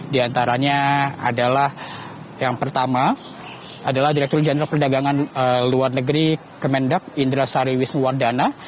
diantaranya adalah yang pertama adalah direktur jenderal perdagangan luar negeri kemendak indra sariwis wardana